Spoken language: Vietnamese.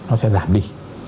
nó sẽ giảm đi